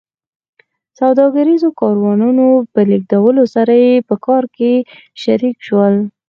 سوداګریزو کاروانونو په لېږدولو سره یې په کار کې شریک شول